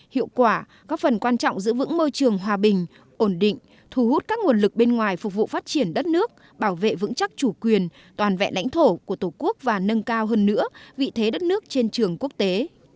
hiệu quả có phần quan trọng giữ vững môi trường hòa bình ổn định thu hút các nguồn lực bên ngoài phục vụ phát triển đất nước bảo vệ vững chắc chủ quyền toàn vẹn lãnh thổ của tổ quốc và nâng cao hơn nữa vị thế đất nước trên trường quốc tế